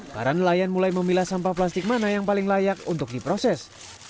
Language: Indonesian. para nelayan mulai memilah sampah plastik mana yang paling layak untuk diproses